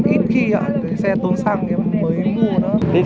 ít khi ạ xe tốn xăng mới mua đó